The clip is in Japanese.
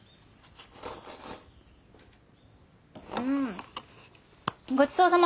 うんごちそうさま！